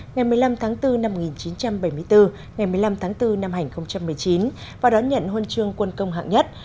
ngày một mươi năm tháng bốn năm một nghìn chín trăm bảy mươi bốn ngày một mươi năm tháng bốn năm hai nghìn một mươi chín và đón nhận huân chương quân công hạng nhất